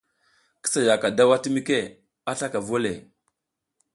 Ki sa yaʼaka daw a timike a slaka vu o le.